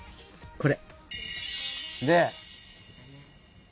これ。